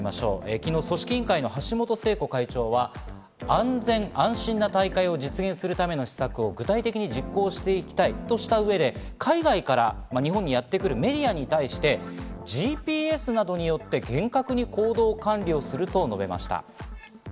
昨日、組織委員会の橋本聖子会長は安全安心な大会を実現するための施策を具体的に実行していきたいとした上で、海外から日本にやってくるメディアに対してＧＰＳなどによって厳格に行動管理をすると述べました。